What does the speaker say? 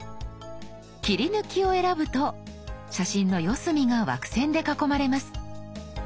「切り抜き」を選ぶと写真の四隅が枠線で囲まれます。